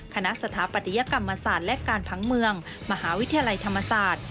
สถาปัตยกรรมศาสตร์และการผังเมืองมหาวิทยาลัยธรรมศาสตร์